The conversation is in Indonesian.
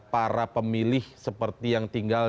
para pemilih seperti yang tinggal